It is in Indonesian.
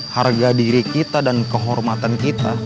harga diri kita dan kehormatan kita